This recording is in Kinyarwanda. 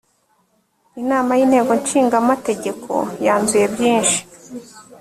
inama y ‘inteko nshingamategeko yanzuye byinshi.